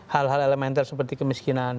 hal hal elementer seperti kemiskinan